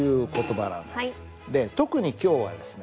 で特に今日はですね